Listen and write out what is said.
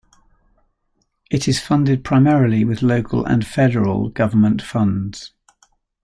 It is funded primarily with local and federal government funds.